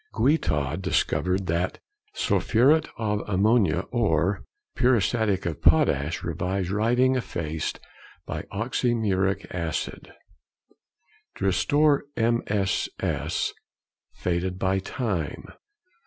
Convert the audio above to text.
Guitaud discovered that sulphuret of ammonia and prussiate of potash revives writing effaced by oxymuriatic acid. _To restore MSS. faded by time.